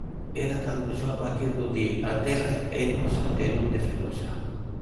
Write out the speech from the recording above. "Era cando soaba aquelo de "a terra é nosa e non de Fenosa"."